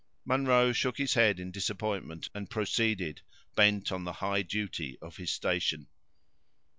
Munro shook his head in disappointment, and proceeded, bent on the high duty of his station.